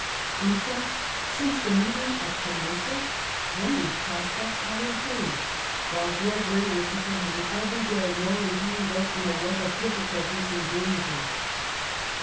In fact, since the meeting at Canossa, Henry's pro spects had improved, while Gregory was becoming every Gregory*! ^7 moro entangled in a web of diflSculties dMc^ties and dangers.